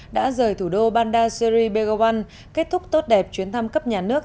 đã rời thủ đô bandar seri begoban kết thúc tốt đẹp chuyến thăm cấp nhà nước